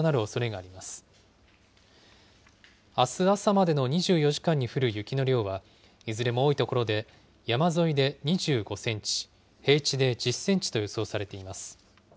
あす朝までの２４時間に雪の量は、いずれも多い所で、山沿いで２５センチ、平地で１０センチと予想されています。